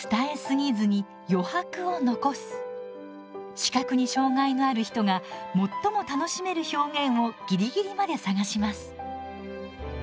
視覚に障がいのある人が最も楽しめる表現をギリギリまで探します。